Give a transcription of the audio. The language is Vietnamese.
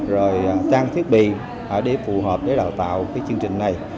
rồi trang thiết bị để phù hợp để đào tạo cái chương trình này